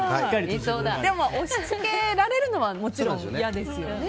でも、押し付けられるのはもちろん嫌ですよね。